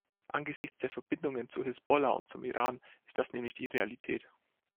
Angesichts der Verbindungen zur Hisbollah und zum Iran ist das nämlich die Realität.